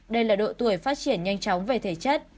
đây là độ tuổi phát triển nhanh chóng về thể chất